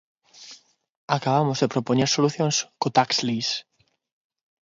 Acabamos de propoñer solucións co tax lease.